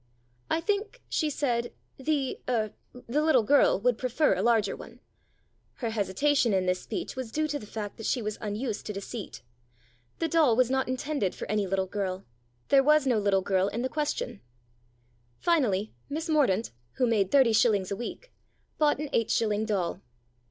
"I think," she said, "the er the little girl would prefer a larger one." Her hesitation in this speech was due to the fact that she was unused to deceit. The doll was not intended for any little girl ; there was no little girl in the question. THE DOLL 163 Finally, Miss Mordaunt (who made thirty shillings a week) bought an eight shilling doll.